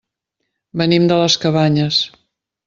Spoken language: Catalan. Venim de les Cabanyes.